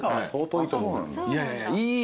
いやいやいや。